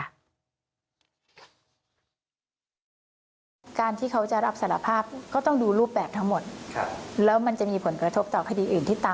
เหมือนกันเขารู้สึกยังไงบ้างว่าชีวิตเรา